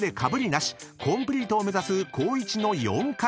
［コンプリートを目指す光一の４回目］